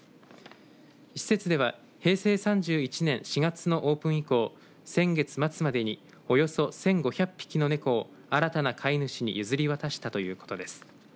施設では平成３１年４月のオープン以降先月末までにおよそ１５００匹の猫を新たな飼い主に譲り渡したということです。